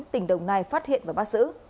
tỉnh đồng nai phát hiện và bắt giữ